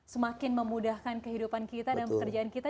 semakin memudahkan kehidupan kita dan pekerjaan kita